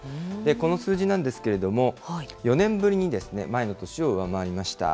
この数字なんですけれども、４年ぶりに前の年を上回りました。